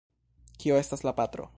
Kio estas la patro?